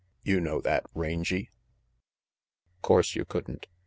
You know that, Rangy?" : 'Course you couldn't.